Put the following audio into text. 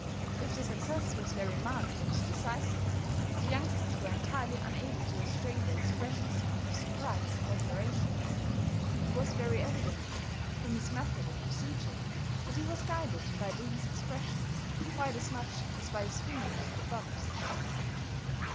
If the success was very marked and decisive, the youngsters were entirely unable to restrain their expressions of surprise and admiration. It was very evident, from his method of procedure, that he was guided by these expressions, quite as much as by his fingering of the bumps.